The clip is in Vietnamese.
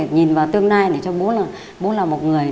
nhìn vào tương lai để cho bố là một người